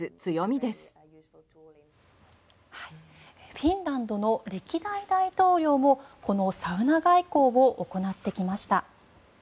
フィンランドの歴代大統領もこのサウナ外交を行ってきました。